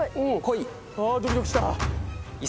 ドキドキした。